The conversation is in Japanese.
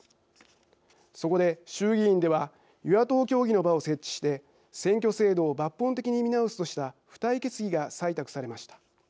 そこで、衆議院では与野党協議の場を設置して選挙制度を抜本的に見直すとした付帯決議が採択されました。